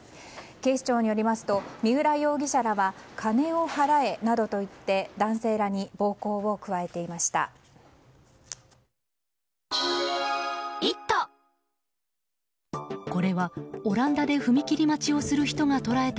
警視庁によりますと三浦容疑者らは金を払えなどと言って男性らに暴行を加えていました。